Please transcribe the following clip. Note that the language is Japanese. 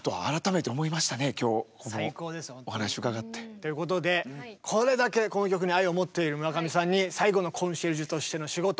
ということでこれだけこの曲に愛を持っている村上さんに最後のコンシェルジュとしての仕事。